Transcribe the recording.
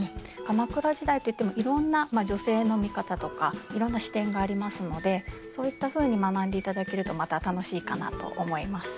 鎌倉時代といってもいろんな女性の見方とかいろんな視点がありますのでそういったふうに学んでいただけるとまた楽しいかなと思います。